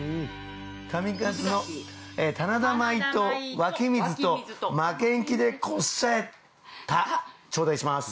上勝の棚田米と湧水と負けん気でこっしゃえた頂戴します。